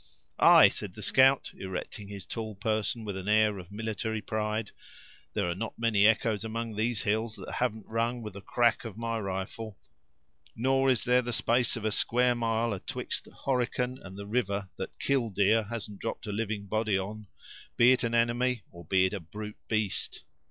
"Ay!" said the scout, erecting his tall person with an air of military pride; "there are not many echoes among these hills that haven't rung with the crack of my rifle, nor is there the space of a square mile atwixt Horican and the river, that 'killdeer' hasn't dropped a living body on, be it an enemy or be it a brute beast.